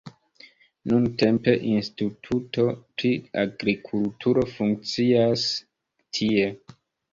Nuntempe instituto pri agrikulturo funkcias tie.